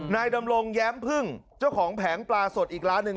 นายดำรงแย้มพึ่งเจ้าของแผงปลาสดอีกร้านหนึ่ง